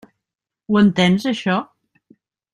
Ho entens, això?